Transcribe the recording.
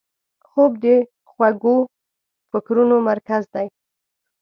خوب د خوږو فکرونو مرکز دی